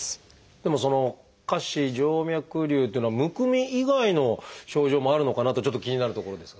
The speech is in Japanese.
でもその下肢静脈りゅうっていうのはむくみ以外の症状もあるのかなとちょっと気になるところですが。